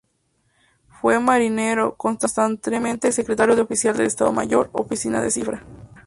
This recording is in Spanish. Fue marinero, contramaestre, secretario de oficial de Estado Mayor, oficial de cifra.